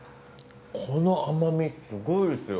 この甘みすごいですよ